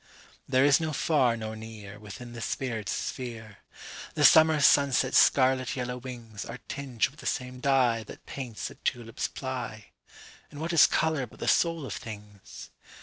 There is no far nor nearWithin the spirit's sphere. The summer sunset's scarlet yellow wingsAre tinged with the same dyeThat paints the tulip's ply. And what is colour but the soul of things?